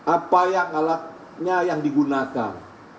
apa yang alatnya yang digunakan